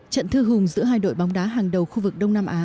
trận thư hùng giữa hai đội bóng đá hàng đầu khu vực đông nam á